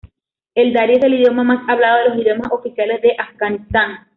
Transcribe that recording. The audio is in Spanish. El dari es el idioma más hablado de los idiomas oficiales de Afganistán.